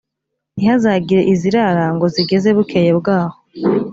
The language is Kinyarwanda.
ntihazagire izirara ngo zigeze bukeye bwaho.